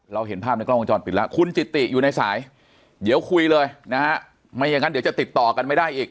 เห็นภาพในกล้องวงจรปิดแล้วคุณจิติอยู่ในสายเดี๋ยวคุยเลยนะฮะไม่อย่างนั้นเดี๋ยวจะติดต่อกันไม่ได้อีก